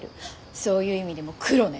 そういう意味でもクロね。